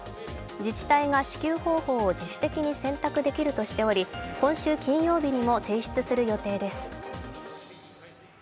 自治体が支給方法を自主的に選択できるとしており今週金曜日にも提出する予定です。